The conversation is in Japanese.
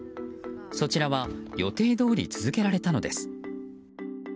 そちらは予定どおり続けられたのです。